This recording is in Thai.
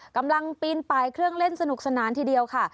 กำลังปีนปลายเครื่องเล่นสนุกสนานทีเดียวค่ะ